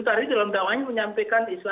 kita harus membuka